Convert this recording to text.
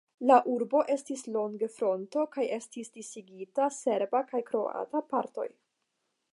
La urbo estis longe fronto kaj estis disigita serba kaj kroata partoj.